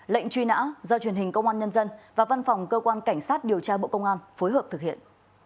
lệnh truy nã do truyền hình công an nhân dân và văn phòng cơ quan cảnh sát điều tra bộ công an phối hợp thực hiện